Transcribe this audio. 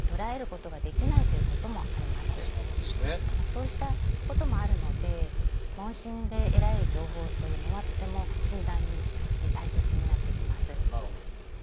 そうしたこともあるので問診で得られる情報というのはとても診断に大切になってきます。